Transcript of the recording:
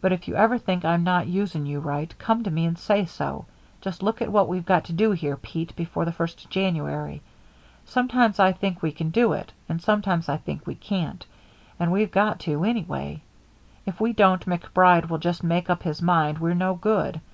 But if you ever think I'm not using you right, come to me and say so. Just look at what we've got to do here, Pete, before the first of January. Sometimes I think we can do it, and sometimes I think we can't, but we've got to anyway. If we don't, MacBride will just make up his mind we're no good.